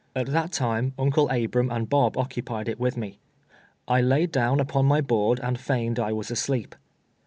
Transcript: At that time Un cle Ahrani and l>ob occuj)ied it with me. I laid down upon my board and feigned I was asleep.